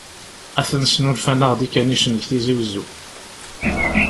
Atan snulfan-aɣ-d ikanicen di Tizi-Wezzu.